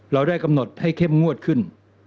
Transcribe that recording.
เราได้กำหนดให้เข้มงวดขึ้น